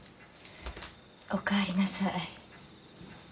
おかえりなさい。